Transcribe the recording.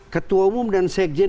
ketua umum dan sekjen